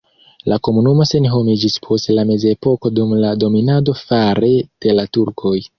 La komunumo senhomiĝis post la mezepoko dum la dominado fare de la turkoj.